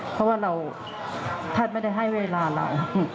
เพราะว่าท่านไม่ได้ให้เวลาเรา